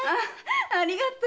ありがとう。